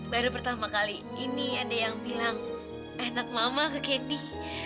baru pertama kali ini ada yang bilang anak mama ke kedi